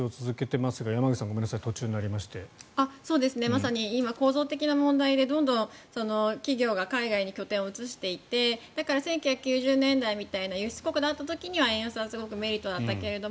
まさに今、構造的な問題でどんどん企業が海外に拠点を移していてだから１９９０年代みたいな輸出国だった時には円安はすごくメリットだったけど